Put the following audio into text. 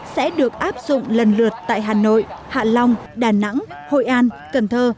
sẽ được áp dụng lần lượt tại hà nội hạ long đà nẵng hội an cần thơ